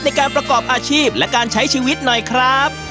ในการประกอบอาชีพและการใช้ชีวิตหน่อยครับ